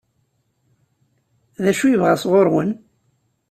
D acu i yebɣa sɣur-wen?